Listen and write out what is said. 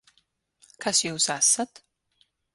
Kas jūs esat?